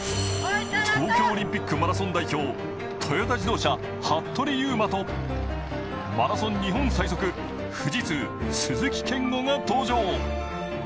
東京オリンピックマラソン代表、トヨタ自動車・服部勇馬とマラソン日本最速、富士通・鈴木健吾が登場。